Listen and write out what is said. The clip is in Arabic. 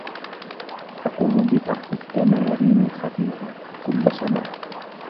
أقوم ببعض التمارين الخفيفة كل صباح.